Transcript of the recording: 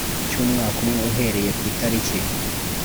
cy umwaka umwe uhereye ku itariki